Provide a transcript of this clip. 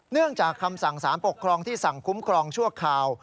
เนื่องจากคำสั่งสารปกครองที่สั่งคุ้มครองชั่วคราว